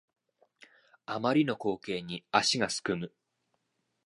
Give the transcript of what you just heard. あまりの光景に足がすくむ